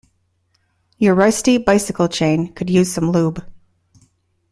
Your rusty bicycle chain could use some lube.